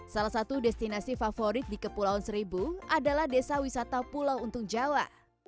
salah satu destinasi favorit di kepulauan seribu adalah desa wisata pulau untung jawa